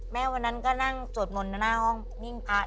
วันนั้นก็นั่งสวดมนต์หน้าห้องนิ่งพระ